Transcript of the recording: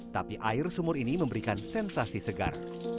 tapi air sumur ini memberikan sensasi segar